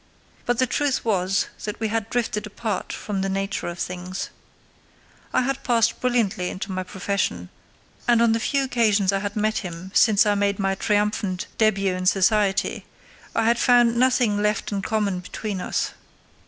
But the truth was that we had drifted apart from the nature of things. I had passed brilliantly into my profession, and on the few occasions I had met him since I made my triumphant début in society I had found nothing left in common between us.